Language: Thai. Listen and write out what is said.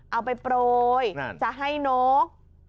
เอาไปโปรยจะให้นก